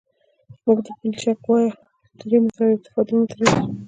موږ د پلچک وایه درې متره او ارتفاع دوه متره نیسو